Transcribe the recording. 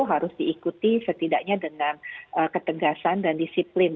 harus diikuti setidaknya dengan ketegasan dan disiplin